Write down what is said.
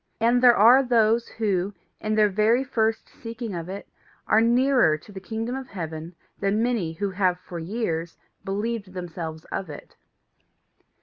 And there are those who, in their very first seeking of it, are nearer to the kingdom of heaven than many who have for years believed themselves of it.